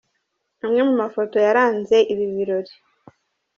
Amwe mu mafoto yaranze ibi birori.